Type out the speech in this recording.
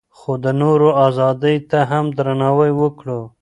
خو د نورو ازادۍ ته هم درناوی وکړو.